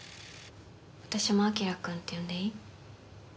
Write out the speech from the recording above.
私もアキラ君って呼んでいい？